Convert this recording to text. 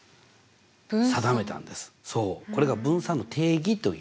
そうこれが分散の定義という。